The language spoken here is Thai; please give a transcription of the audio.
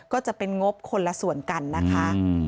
ก็จะเป็นงบคนละส่วนกันนะคะ